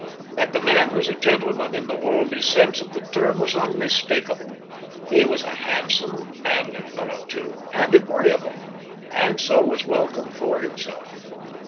That the man was a gentleman in the worldly sense of the term was unmistakable; he was a handsome, manly fellow, too, and agreeable, and so was welcome for himself.